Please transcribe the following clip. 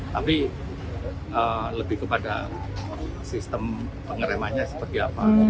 tapi lebih kepada sistem pengeremannya seperti apa